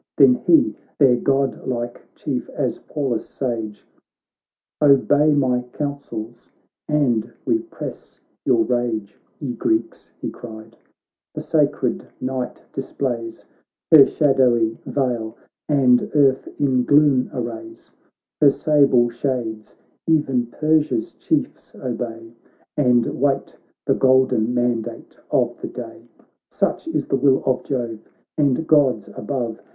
Then he, their godlike Chief, as Pallas sage : 'Obey my counsels, and repress your rage, Ye Greeks, he cried, ' the sacred night displays Her shadowy veil, and earth in gloom arrays ; Her sable shades e'en Persia's Chiefs obey. And wait the golden mandate of the day : Such is the will of Jove, and Gods above.